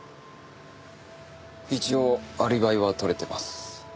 一応アリバイは取れてます。